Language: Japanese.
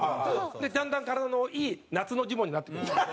でだんだん体のいい夏のジモンになっていくんですよ。